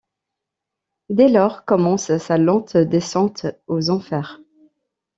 Dès lors commence sa lente descente aux enfers.